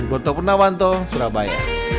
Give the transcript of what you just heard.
dukur tau pernah wanto surabaya